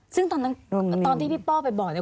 ซึ่งตอนที่พี่ป้อไปบอกเนี่ย